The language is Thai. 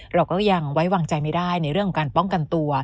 เราก็ยังไว้วางใจไม่ได้ในเรื่องของการป้องกันตัว